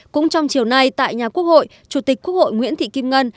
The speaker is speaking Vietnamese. cũng trong chiều nay tại nhà quốc hội chủ tịch quốc hội nguyễn thị kim ngân